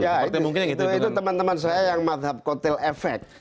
ya itu teman teman saya yang madhab kotel efek